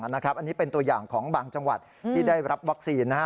อันนี้เป็นตัวอย่างของบางจังหวัดที่ได้รับวัคซีน